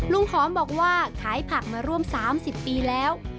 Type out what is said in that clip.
หอมบอกว่าขายผักมาร่วม๓๐ปีแล้ว